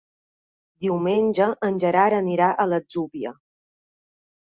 Diumenge en Gerard anirà a l'Atzúbia.